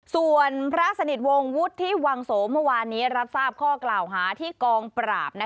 ส่วนพระสนิทวงศ์วุฒิวังโสเมื่อวานนี้รับทราบข้อกล่าวหาที่กองปราบ